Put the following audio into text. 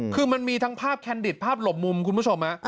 คือมันมีทั้งภาพแคนดิตภาพหลบมุมคุณผู้ชม